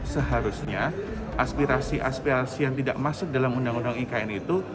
seharusnya aspirasi aspirasi yang tidak masuk dalam undang undang ikn itu